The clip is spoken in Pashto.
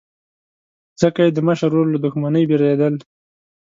ځکه یې د مشر ورور له دښمنۍ بېرېدل.